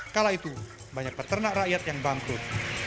kala itu banyak peternak rakyat yang bangkrut